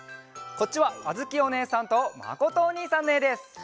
こっちはあづきおねえさんとまことおにいさんのえです。